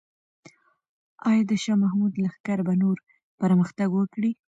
آیا د شاه محمود لښکر به نور پرمختګ وکړي؟